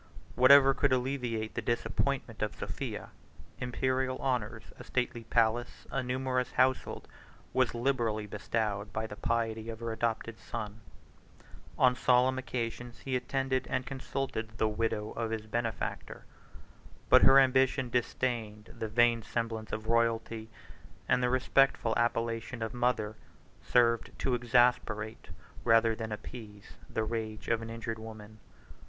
Whatever could alleviate the disappointment of Sophia, Imperial honors, a stately palace, a numerous household, was liberally bestowed by the piety of her adopted son; on solemn occasions he attended and consulted the widow of his benefactor; but her ambition disdained the vain semblance of royalty, and the respectful appellation of mother served to exasperate, rather than appease, the rage of an injured woman.